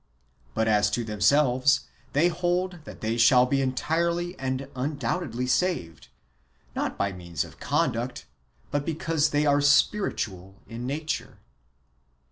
But as to themselv^es, they hold that they shall be entirely and un doubtedly saved, not by means of conduct, but because they are spiritual by nature.